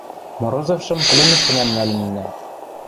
Морозовшым пленӹш тӹнӓм нӓлӹннӓ.